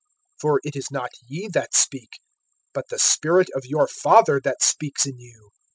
(20)For it is not ye that speak, but the Spirit of your Father that speaks in you.